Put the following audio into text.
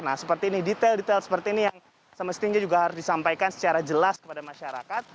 nah seperti ini detail detail seperti ini yang semestinya juga harus disampaikan secara jelas kepada masyarakat